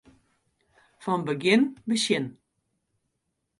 Fan begjin besjen.